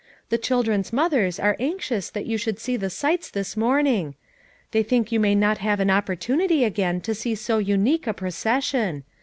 "The children's mothers are anxious that you should see the sights this morning. They think you may not have an opportunity again to see so unique a procession.